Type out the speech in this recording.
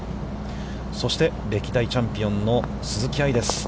そして歴代チャンピオンの鈴木愛です。